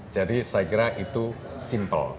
jadi saya kira itu simple